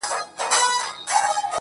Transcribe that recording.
اور يې وي په سترگو کي لمبې کوې.